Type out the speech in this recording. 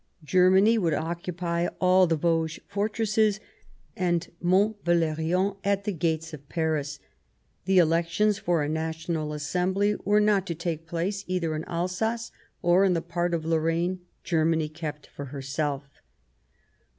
Germany would occupy all the Vosges fortresses, and Mont Valerien at the gates of Paris ; the elections for a National Assembly were not to take place either in Alsace or in the part of Lorraine Germany kept for herself.